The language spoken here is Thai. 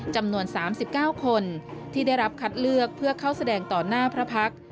จำนวน๓๙คนที่ได้รับคัดเลือกเพื่อเข้าแสดงต่อหน้าพระพักษ์